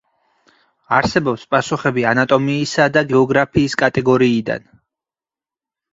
არსებობს პასუხები ანატომიისა და გეოგრაფიის კატეგორიიდან.